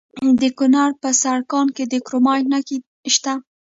د کونړ په سرکاڼو کې د کرومایټ نښې شته.